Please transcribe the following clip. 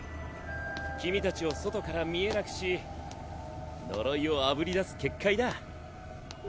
君たちを外から見えなくし呪いをあぶり出す結界だ。